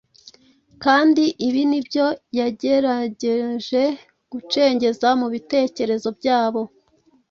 kandi ibi nibyo yagerageje gucengeza mu bitekerezo byabo.